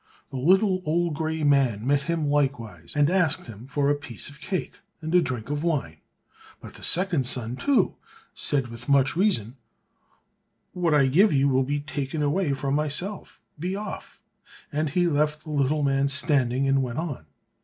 The little old grey man met him likewise, and asked him for a piece of cake and a drink of wine. But the second son, too, said with much reason, "What I give you will be taken away from myself; be off!" and he left the little man standing and went on.